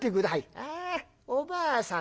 「ああおばあさん